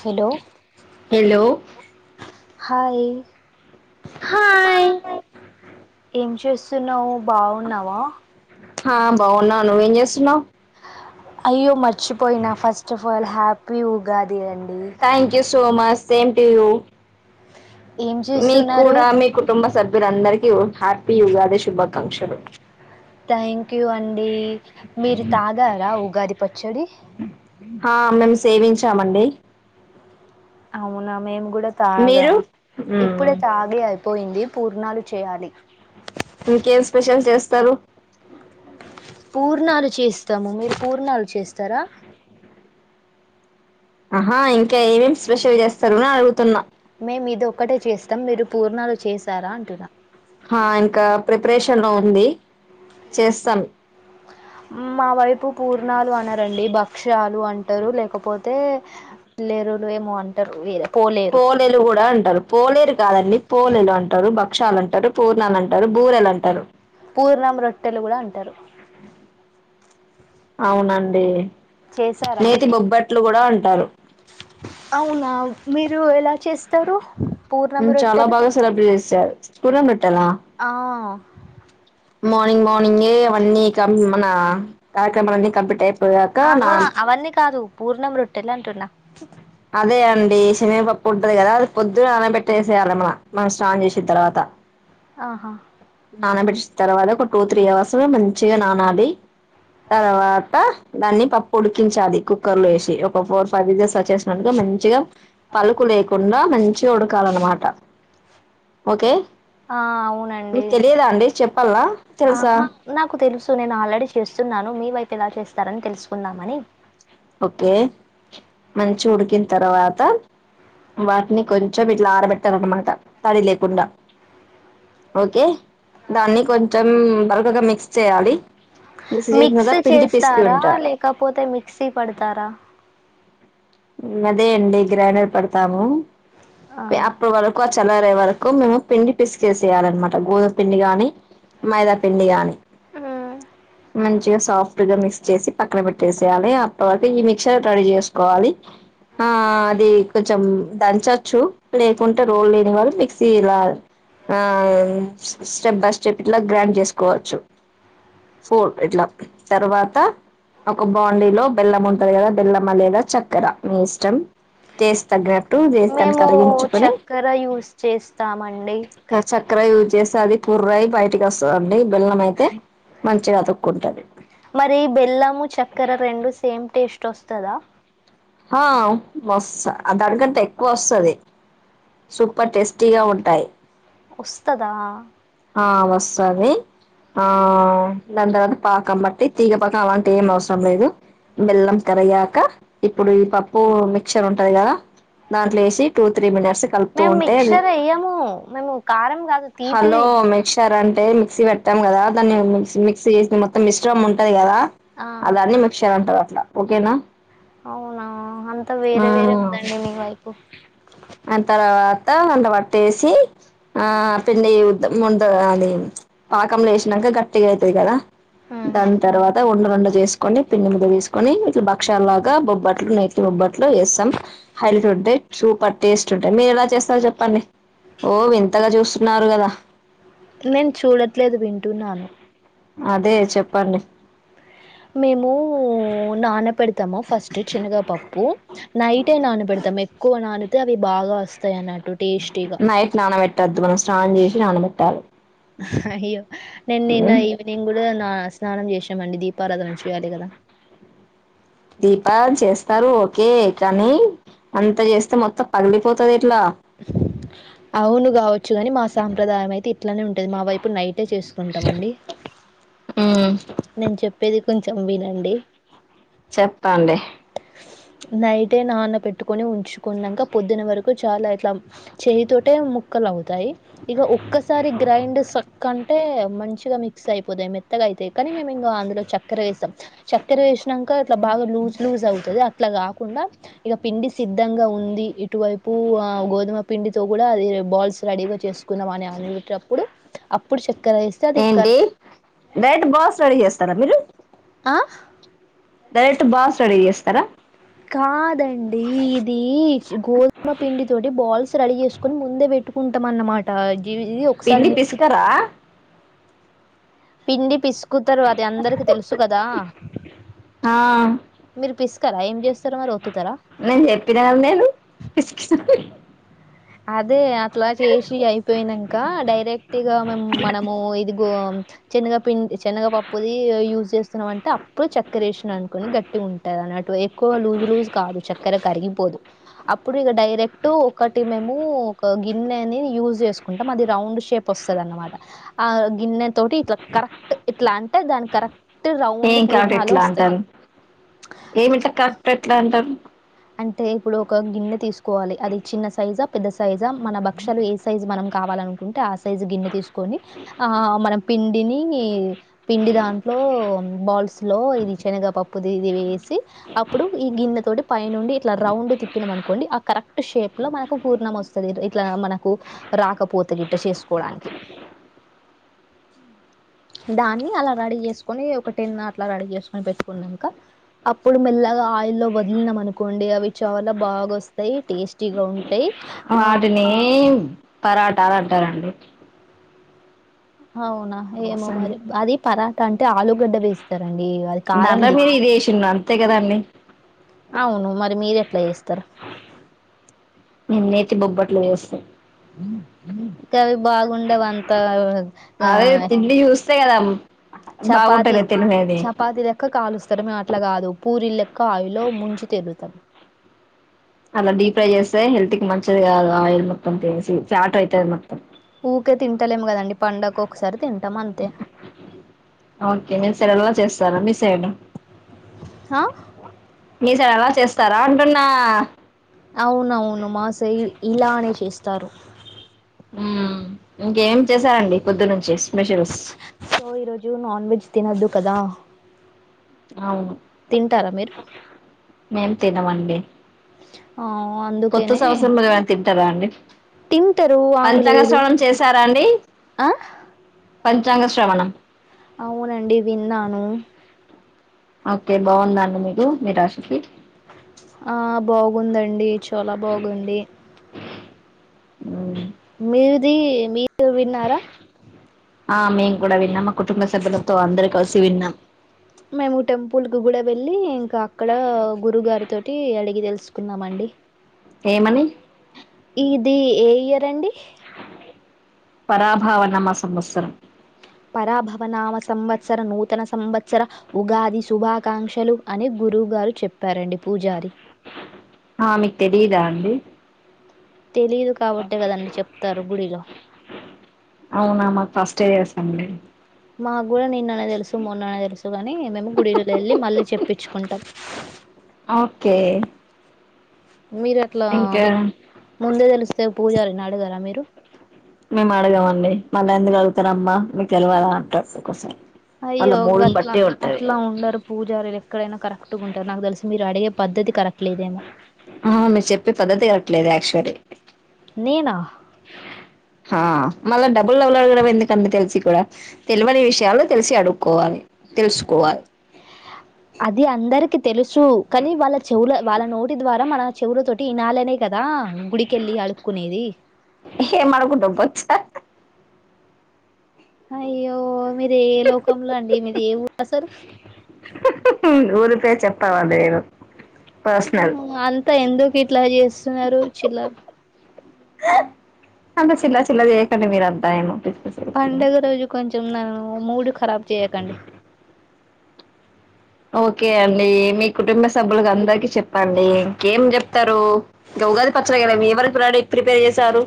Hello hello hi hi చేస్తున్నావ్ బావున్నావా ఆ బాగున్నాను నువ్వేం చేస్తున్నావ్ అయ్యో మర్చిపోయినా ఫస్ట్ ఆఫ్ ఆల్ హ్యాపీ ఉగా thank you so much same to you ఏం మీ చేస్తున్నారు కూడా మీ కుటుంబ సభ్యులందరిక హ్యాపీ ఉగాది శుభాకాంక్షలు థ్యాంక్ యూ అండి మీరు తాగారా ఉగాది పచ్చడి ఆ మేము సేవించామండి అవునా మేము కూడా తాగా మీరు మ్మ్. ఇప్పుడే తాగి అయిపోయింది పూర్ణాలు చేయాలి ఇంకేం స్పెషల్ చేస్తారు పూర్ణాలు చేస్తాము మీరు పూర్ణాలు చేస్తారా ఆహా ఇంకా ఏమేమి స్ప్రెషల్ చేస్తారు అని అడుగుతున్నా మేము ఇది ఒక్కటే చేస్తాం మీరు పూర్ణాలు చేశారా అంటున్నా ఇంకా ప్రిపరేషన్ ఉంది చేస్తాం మా వైపు పూర్ణాలు అనరండి భక్ష్యాలు అంటారు లేకపోతే పిల్లరులు ఏమో అంటారు వేరే పోలేరు పోలేలు కూడా అంటారు పోలేరు కాదండి పోలేలు అంటారు భక్షాలు అంటారు పూర్ణాలు అంటారు బూరెలు అంటారు పూర్ణం రొట్టెలు కూడా అంటారు అవునండి చేసారా నేతి మరి బొబ్బట్లు కూడా [unintelligible] అవునా మీరు ఎలా చేస్తారు పూర్ణం మ్మ్ చాలా రొట్టెలు బాగా [unintelligible] ఆ మార్నింగ్ మార్నింగ్ ఏ అవన్నీ కం మన కార్యక్రమలు అన్నీ కంప్లీట్ అయిపో ఆహా అవన్నీ కాదు పూర్ణం రొట్టెలు అంటున్నా అదే అండి సెనగ పప్పు ఉంటది కదా అది పొద్దున నాన పెట్టేసేయాలి మన మనం స్నాం చేసిన తర్వాత ఆహా నానబెట్టిసి తర్వాత ఒక టూ త్రీ అవర్స్ మంచిగా నానాలి తర్వాత దాన్ని పప్పు ఉడికించాలి కుక్కర్ లో వేసి ఒక ఫోర్ ఫైవ్ విజస్ వచ్చే అంటే మంచిగా పలుకు లేకుండా మంచిగా ఉడకాలన్నమాట ఓకే ఆ అవునండి మీకు తెలియదా అండి చెప్పాలా తెలుసా ఆహా నాకు తెలుసు నేను ఆల్రెడీ చేస్తున్నాను మీ వైపు ఏలా చేస్తారని తెలుసుకుందామని ఓకే మంచి ఉడికిన తర్వాత వాటిని కొంచెం ఇట్లా ఆరబెట్టాలనమాట తడి లేకుండా ఓకే దాన్ని కొంచెం బరకగా మిక్స్ చేయాలి. చేసిన మిక్స్ తర్వాత పిండి పిసికి చేస్తారా ఉంటా లేకపోతే మిక్సీ పడుత తర అదే అండి గ్రైండర్ పడతాము ఆ అప్పుడు వాళ్ళ కు చల్లరే వరకు మేము పిండి పిస్కేసేయాలన్నమాట గోధుమ పిండి గాని మైదాపిండి గాని మంచిగా సాఫ్ట్ టీలో మిక్స్ చేసి పక్కన పెట్టేసేయాలి అప్పటివరకు ఈ మిక్సర్ రెడీ చేసుకోవాలి ఆ అది కొంచెం దంచచ్చు లేకుంటే రోల్ లేని వాళ్ళు మిక్సీ ఇలా ఆ స్టెప్ బై స్టెప్ ఇట్లా గ్రైండ్ చేసుకోవచ్చు ఫోల్ ఇట్లా తర్వాత ఒక బాండీలో బెల్లం ఉంటది కదా బెల్లమా లేదా చక్కెర మీ ఇష్టం టేస్ట్ తగ్గర మేము చక్కెర యూస్ చేస్తామండి ఇక్కడ యూజ్ చేసి అది పుర్రయి బయటికి వస్త దండి మరి బెల్లము చక్కెర రెండు సేమ్ టేస్ట్ వస్తదా ఆ వస్సా అ దానికంటే ఎక్కువ వస్సది సూపర్ టేస్టీగా ఉంటాయి. వస్తదా ఆ వస్సావి ఆ దాని తర్వాత పాకం బట్టి తీగపాకం అలాంటి ఏం అవసరం లేదు బెల్లం కరిగాక ఇప్పుడు ఈ పప్పు మిక్చర్ ఉంటాయి కదా దాంట్లో ఏసీ టు త్రీ మినిట్స్ కలుపుతూ మేము ఉంటే అది మిక్స్చర్ యేయము మేము కారం కాదు హలో తీపిది మిక్చర్ అంటే మిక్సీ పెట్టాం కదా దాన్ని మిక్ మిక్సీ చేసంది మొత్తం మిష్ట్రం ఉంటది కదా ఆ అదన్ని మిక్చర్ అంటా. పోయ్ ట్ల తినా అవునా అంత ఆ వేరే వేరే ఉందండి మీ వైపు ఆ తర్వాత కొంత ట్టేసి ఆ పిండే ముండ అది పాకంలేసినక కట్ట తీ అయితే కదా ఉమ్ దాని తర్వాత ఉన్న రెండు చేసుకొని పిండి ముద్ద తీసుకని ఇట్ల బక్షాల లాగా బొబ్బట్లు నేతి బొబ్బట్లు వేస్తాం హైలైట్ ఉంటాయి సూపర్ టేస్ట్ ఉంటాయి మీరులా చేస్త చెప్పండి ఓ వింతగా చూస్తు నారు గదా నేను చూడట్లేదు వింటున్నాను అదే చెప్పండి మేము నాన పెడతాము ఫస్ట్ చెనగా పప్పు నైటే నానబెడు తం ఎక్కువ నానితే అవి బాగా వస్తాయి అన నైట్ నానబెట్టద్దు మనం స్నానం చేసి నానబెట్టాలి అయ్యో నేను నిన్న ఈవినింగ్ గూ దే నాన స్నానం చేశామండి దీపారాధన చేయాలి కదా దీపాన్ చేస్తారు ఓకే కానీ అంత చేస్తే మొత్తం పగిలిపోతాది అవును కావచ్చు కాని మాస్ సంప్రదాయమైతే అట్లనే ఉంటది మా వైపు నైటే చేసుకుంటాం అండి నేను చెప్పేది కొంచెం వినండి చెప్పండి నైటే నాన పెట్టుకొని ఉంచుకున్నంక పొద్దున వరకు చాలా ట్లం చెయ్యి తోటే ముక్కలౌ తాయి ఇగ ఒక్కసారి గ్రైండ్ సక్ అన్ టే మంచిగా మిక్స్ అయిపోతాయి మెత్తగా అయితాయి కానీ మేము ఇంకా అందులో చక్కెర వేసాం చక్కెర వేస్ నంక ఇట్లా బాగా లజ్ లూజ్ ఐతది ఇట్ల కాకుండా ఇక పిండి సిద్ధంగా ఉంది ఇటువైపు ఆ గోధుమ పిండితో కూడా అది బాల్స్ రెడీగా చేస్ కున్నాం అని అనీటప్పుడు అప్పుడు చెప్ ఏంటి రెడ్ బాస్ రెడీ చేస్తారా మీరు ఆ డైరెట్ బాస్ రెడీ చేస్తారా కాదండి ఇది గోధుమ పిండి తోటి బాల్స్ రెడీ చేసుకొని ముందే పెట్టుకుంటాం అన్నమాట ఇది ఒకసారి పిండి మిక్సీ పిసుకరా పిండి పిసుకుతరు అది అందరికీ తెలుసు కదా ఆ మీరు పిసుకరా ఏం చేస్తారు మరి ఓత్తుతారా నేను చెప్పినా కద నేను అదే అట్లా చేసి అయిపోయినం క డైరెక్ట్ గా మేం మనము ఇదిగో చెనగ పిండి చెనగ పప్పుది యూజ్ చేస్తున్నాం అంటే అప్పుడు చక్కెర ఏసినా అనుకోండి గట్టి ఉంటా అన్నట్టు ఎక్కువ లూజ్ లూజ్ కాదు చక్కెర కరిగిపోదు అప్పుడు ఇగ డైరెక్ట్ ఒక మేము ఒక గిన్నెని యూజ చేసుకుంటాం అది రౌండ్ షేప్ వస్తుంది అనమాట ఆ గిన్నె తోటి ఇట్లా కరెక్ట్ ఇట్లా అంటే దాని కరెక్ట్ రౌండ్ ఏం కాబట్టి పూర్ణాలు ఎట్లా వస్తాయి అంటారు ఏమింటా కాట్ ఎట్లా అంటారు అంటే ఇప్పుడు ఒక గిన్నె తీసుకోవాలి అది చిన్న సైజా పెద్ద సైజా మన భక్షలు ఏ సైజ్ మనం కావాలనుకుంట ఉంటే ఆశ సైజు గిన్నె తీసుకొని ఆ మనం పిండిని పిండి దాంట్లో బాల్స్లో ఇది శనగ పప్పుది ఇది వేసి అప్పుడు ఈ గిన్నెతోటి పైండి ఇట్లా రౌండ్ తిప్పినం అనుకోండి ఆ కరెక్ట్ షేప్ లో మనకు పూర్ణం వస్తుంది ఇట్లా మనకు రాకపోతుంది ఇట్ట చేసుకోడానికి దాన్ని అలా రెడీ చేసుకొని ఒక టెన్ అట్లా రెడీ చేసుకొని పెట్టుకున్నాక అప్పుడు మెల్లగా ఆయిల్లో వదిలిన అనుకోండి అవి చాల బాగా వస్తాయి టేస్టీగా ఉంటా వాటిని పరాటాలు అంటారండి అవునా ఏమో అసలు మరి అది పరాటా అంటే ఆలుగడ్డ వేస్తారండి అది దాంట్లో కారంది మీరు ఇది వేసిండ్రు అంతే కదండి అవును మరి మీరు ఎ ప్లేస్ నిన్నైయితే బొబ్బట్ వేస్త అవి బాగుండేవి అంతా ఆ చేయడం చపాతి చపాతి లెక్క కాలుస్తారు మేము అట్లా కాదు పూరీ లెక్క ఆయిలో ముంచి తిరుగుతాం అలా డీ ఫ్రై చేస్తే హెల్త్కి మంచిది ఆయిల్ మొత్తం తసి ఫ్యాట అవుతు మొత్తం ఊకే తింటలేం కదండి పండగ ఒకసారి తింట ఓకే నేను సర చేస్తా [inaudible] హా మీసారి అలా చేస్తారా అంటున్నా అవునవును మాసై ఇలానే చేస్తారు ఇంకేమి చేశారండి పొద్దు నుంచి సో ఈరోజు నాన్ వెజ్ తినద్దు క్కద అవును మేం తినమండి ఆ కొత్త అందుకనే సంవత్సరంలో ఏమైనా తింటారా అండి తింటరు పంచాంగ ఆంగ్లేయులు శ్రవణం చేసారా అండి ఆ పంచాంగ శ్రవణం అవునండి విన్నాను ఓకే బాగున్నాను మీకు మీ రాశికి ఆ బాగుందండి చాలా బాగుంది ఊ మీర్ ఇది మీరు విన్నారా ఆ మేము కూడా విన్నాము మా కుటుంబ సభ్యులతో అందరి కలిసి విన్నాం మేము టెంపుల్ కు కూడా వెళ్ళి ఇంకా అక్కడ గురువ్ గారి తోటి అడిగి తెలుసుకున్నామండి ఏమని ఇది ఏ ఇయర్ అండి పరాభావనామ సంవత్సరం పరాభవనామ సంవత్సరం నూతన సంవత్సర ఉగాది శుభాకాంక్షలు అని గురువ్ గారు చెప్పారండి పూజారి ఆ మీకు తెలియదా అండి తెలీదు కాబట్టే కదండి చెప్తారు గుడిలో టె ఏసింది మా గుర నిన్న నాకు తెలుసు మొన్ననే తెలుసు కాని మేము గుడి వెళ్ళి మళ్ళీ చెప్పించుకుంటాం ఓకే మీరు అట్లా ఇంకా మీక్ ముందే తెలిస్తే పూజారని అడుగరా మీరు మేము అడగమండి మళ్ళీ ఎందుకు అడుగుతారమ్మ మీకు తెల్వదా అంటారు ఒకోసారి అయ్యో గట్లా అట్లా ఉండరు పూజారు ఎక్కడైనా కరెక్ట్గా ఉంటారు నాకు తెలిసి మీరు అడిగే పద్ధతి కరెక్ట్ లేదేమో ఆ మీర్ చెప్పే పద్దతే అట్ ట్లేద్ అక్చ్యువల్లీ నేనా ఆ మళ్ళ డబ్బుల్ లవలవలడుగ ఎందుకు అని తెలిసి కూడా తెలివని విషయాల్లో తెలిసి అడుగు కోవాలి తెలుసుకోవాలి అది అందరికి తెలుసు కానీ వాళ్ళ చెవుల వాళ్ళ నోటి ద్వారా మన చెవుల తోటి ఇనాలనే కదా గుడికి ఏం ఆడుకుంటావ్ బొచ్చ అయ్యో మీరు ఏ లోకంలో అండి మీద్ ఏ ఊ అసలు ఊరు పే చెప్పవ నేను పర్సనల్ అంత ఎందుక్ ఇట్లా చేస్తున్నారు చిల్లర్ అంత చిలా చిలా చేయకండి మీరంతా ఏమో పిచ్చిగా చెప్తున్నారు పండుగ రోజు కొంచెం న మూడ్ ఖరాబ్ చేయకండి ఓకే అండి మీ కుటుంబ సభ్యులకు అందరికి చెప్పండి ఇంకేం చెప్తారు ఇగ ఉగాది పచ్చడిగద ఎవరు ప్రడి ప్రిపేర్ చేశారు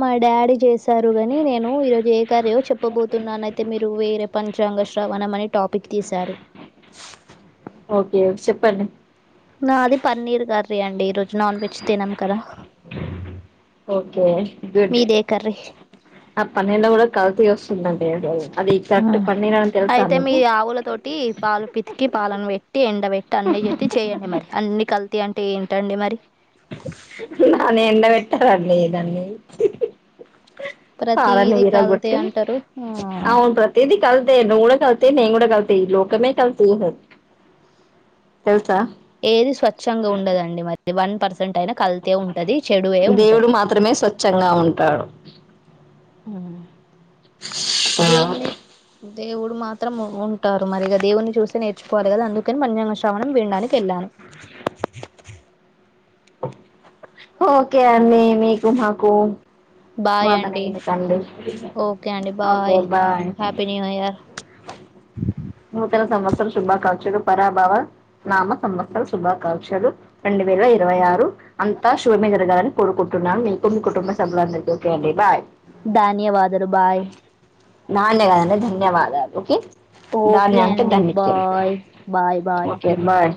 మా డాడీ చేశారు గాని నేను ఈరోజు ఏ కార్యో చెప్పబోతున్నానయితే మీరు వేరే పని జంగశ్రావణమని టాపిక్ తీశారు ప్పండి నాది పన్నిరు గాదు సరే అండి ఈ రోజు నాన్ వెజ్ తినం కదా ఓకే గుడ్ మీదే కర్రీ. ఆ పన్నీర్ లో గూడా కల్తీ వస్తుందం ఏదో అయితే మీ ఆవుల తోటి పాలు పితికి పాలను పెట్టి ఎండబట్టి అన్నీ చెతే చేయండి మరి అన్ని కల్తీ అంటే ఏంటండి మరి దాన్ని ఎండబట్టారు అండి దాన్ని పాలని ప్రతిది కల్తీ విరగగొట్టి అంటారు ఆ అవును ప్రతిది కల్తీ నువ్వు గూడా కల్తీ నేను గూడా కల్తీ ఈ లోకమే కల్తీ తెల్సా ఏది స్వచ్ఛంగా ఉండదండి మరి వన్ పర్సెంట్ అయినా కల్తీ ఉంటది చెడువే దేవుడు ఉంటది మాత్రమే స్వచ్ఛంగా ఉంటాడు ఆ దేవుంది దేవుడు మాత్రం ఉంటారు మరిగా దేవుని చూస్ నేర్చుకోవాలి గద అందుకని పంచాంగశ్రావణం వినడానికి వెళ్లాను [inaudible] ఓకే అండి మీకు మాకు బాయ్ అండి వాదనెందుకండి ఓకే అండి okay bye happy new year నూతన సంవత్సరాల శుభాకాంక్షలు పరాభవ నామ సంవత్సర శుభాకాంక్షలు రెండు వేల ఇరవై ఆరు అంతా శుభమే జరగాలని కోరుకుంటున్నాను మీకు మీ కుటుంబ సభ్యల అందరికి ఓకే అండి బాయ్ ధన్యవాదలు బాయ్ నాన్నే కద అండి ధన్యవాదాలు ఓకే ఓకే ధాన్య అంటే అండి ధన్యచరు bye bye bye okay bye